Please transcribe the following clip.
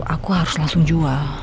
aku harus langsung jual